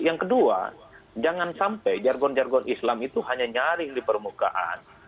yang kedua jangan sampai jargon jargon islam itu hanya nyaring di permukaan